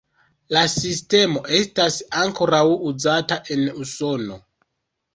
La sistemo estas ankoraŭ uzata en Usono.